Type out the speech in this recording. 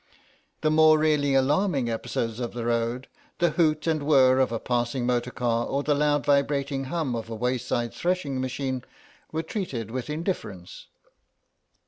The more really alarming episodes of the road, the hoot and whir of a passing motor car or the loud vibrating hum of a wayside threshing machine, were treated with indifference.